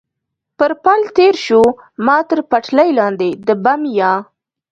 پر پل تېر شو، ما تر پټلۍ لاندې د بم یا.